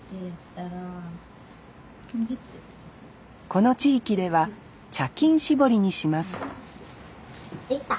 この地域では茶巾絞りにしますできた。